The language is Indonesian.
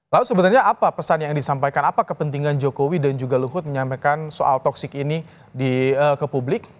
lalu sebenarnya apa pesan yang disampaikan apa kepentingan jokowi dan juga luhut menyampaikan soal toksik ini ke publik